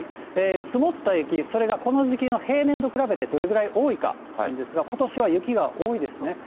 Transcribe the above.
積もった雪、それがこの時期の平年と比べてどれぐらい多いかなんですが、ことしは雪が多いですね。